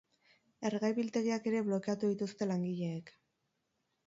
Erregai biltegiak ere blokeatu dituzte langileek.